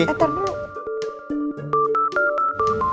eh tar dulu